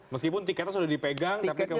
meskipun tiketnya sudah dipegang tapi kemudian kan ada